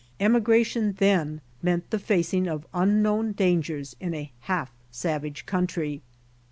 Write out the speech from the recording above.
Emigration then meant the facing of un known dangers in a half savage country.